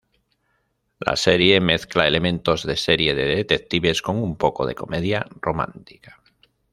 La serie mezcla elementos de serie de detectives con un poco de comedia romántica.